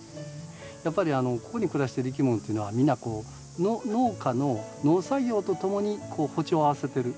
やっぱりここに暮らしてるいきものっていうのはみんなこう農家の農作業とともに歩調を合わせてる。